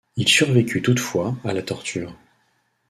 Il survécut toutefois à la torture.